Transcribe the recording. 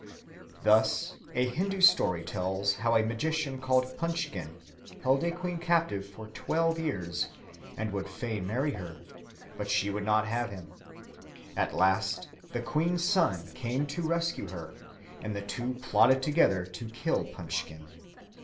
Thus a Hindoo story tells how a magician called Punchkin held a queen captive for twelve years, and would fain marry her, but she would not have him. At last the queen's son came to rescue her, and the two plotted together to kill Punchkin.